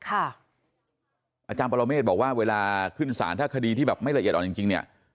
อาจารย์ปรเมฆบอกว่าเวลาขึ้นสารถ้าคดีที่แบบไม่ละเอียดอ่อนจริงเนี่ย